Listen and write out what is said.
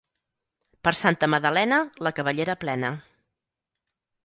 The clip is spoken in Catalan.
Per Santa Magdalena, la cabellera plena.